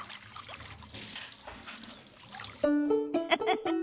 フフフフ。